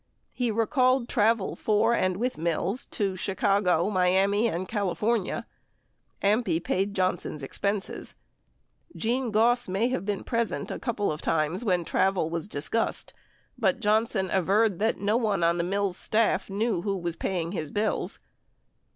He recalled travel for and with Mills to Chicago, Miami and Cali fornia. AMPI paid Johnson's expenses. Gene Goss may have been present a couple of times when travel was discussed, but Johnson averred that no one on the Mills staff knew who was paying his bills.